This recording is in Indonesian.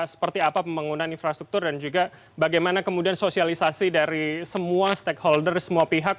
seperti apa pembangunan infrastruktur dan juga bagaimana kemudian sosialisasi dari semua stakeholder semua pihak